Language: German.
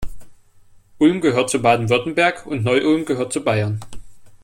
Ulm gehört zu Baden-Württemberg und Neu-Ulm gehört zu Bayern.